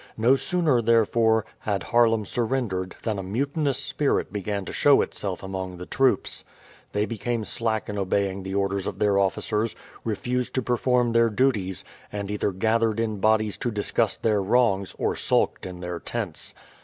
No sooner, therefore, had Haarlem surrendered than a mutinous spirit began to show itself among the troops; they became slack in obeying the orders of their officers, refused to perform their duties, and either gathered in bodies to discuss their wrongs or sulked in their tents.